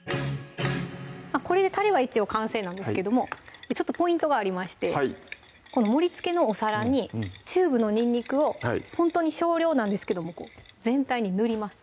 これでたれは一応完成なんですけどもちょっとポイントがありましてこの盛りつけのお皿にチューブのにんにくをほんとに少量なんですけどもこう全体に塗ります